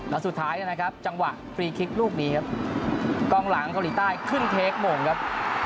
แล้วสุดท้ายนะครับจังหวะฟรีคลิกลูกนี้ครับกล้องหลังเกาหลีใต้ขึ้นเทคโมงครับ